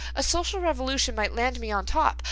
A social revolution might land me on top.